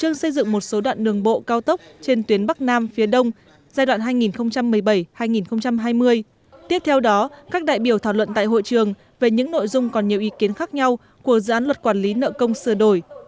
giai đoạn hai nghìn một mươi bảy hai nghìn hai mươi tiếp theo đó các đại biểu thảo luận tại hội trường về những nội dung còn nhiều ý kiến khác nhau của dự án luật quản lý nợ công sửa đổi